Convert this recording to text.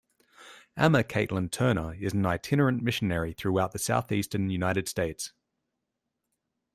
Amma Caitlin Turner is an itinerant missionary throughout the southeastern United States.